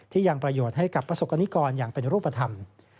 ยังประโยชน์ให้กับประสบกรณิกรอย่างเป็นรูปธรรม